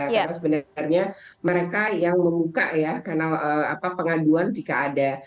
karena sebenarnya mereka yang membuka ya pengaduan jika ada